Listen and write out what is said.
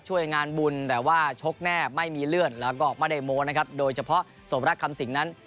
ช่วยงานบุญแต่ว่าชกแน่ไม่มีเลื่อนแล้วก็ไม่ได้โม้นะครับโดยเฉพาะสมรักคำสิงนั้น